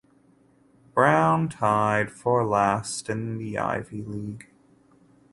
Brown tied for last in the Ivy League.